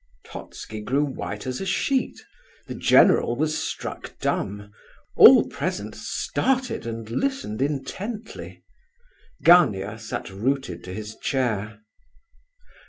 Totski grew white as a sheet. The general was struck dumb. All present started and listened intently. Gania sat rooted to his chair.